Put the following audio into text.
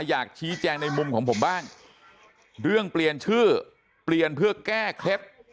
อยากชี้แจงในมุมของผมบ้างเรื่องเปลี่ยนชื่อเปลี่ยนเพื่อแก้เคล็ด